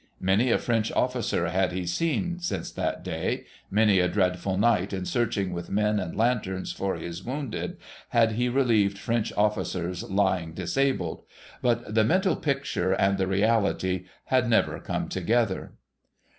Many a French officer had he seen since that day ; many a dreadful night, in searching with men and lanterns for his wounded, had he relieved French officers lying disabled ; but the mental picture and the reality had never come together.